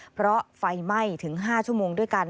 เพราะไฟไหม้ถึง๕ชั่วโมงด้วยกัน